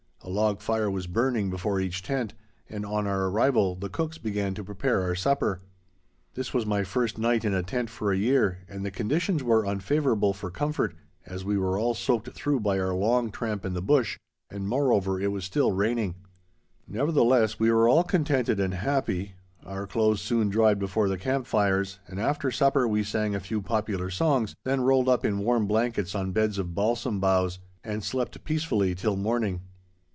A log fire was burning before each tent, and, on our arrival, the cooks began to prepare our supper. This was my first night in a tent for a year, and the conditions were unfavorable for comfort, as we were all soaked through by our long tramp in the bush, and, moreover, it was still raining. Nevertheless, we were all contented and happy, our clothes soon dried before the camp fires, and after supper we sang a few popular songs, then rolled up in warm blankets on beds of balsam boughs, and slept peacefully till morning.